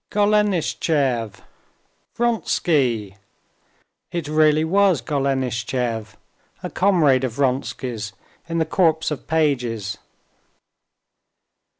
"Golenishtchev!" "Vronsky!" It really was Golenishtchev, a comrade of Vronsky's in the Corps of Pages.